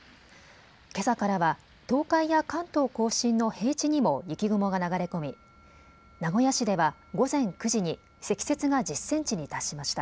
けさからは東海や関東甲信の平地にも雪雲が流れ込み、名古屋市では午前９時に積雪が１０センチに達しました。